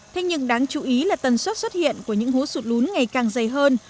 thế nhưng đáng chú ý là tần suất xuất hiện của những hố sụt lún ngày càng dày hơn